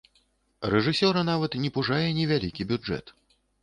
Рэжысёра нават не пужае невялікі бюджэт.